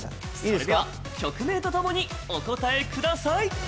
それでは曲名とともにお答えください